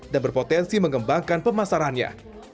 dan berpotensi mengembangkan pemasarannya